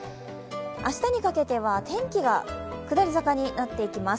明日にかけては天気が下り坂になっていきます。